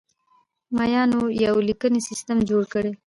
مایانو یو لیکنی سیستم جوړ کړ